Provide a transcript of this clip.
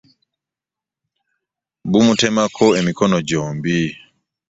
Bumutemako emikono gyombi.